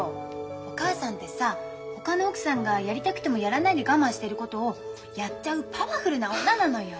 お母さんってさほかの奥さんがやりたくてもやらないで我慢してることをやっちゃうパワフルな女なのよ。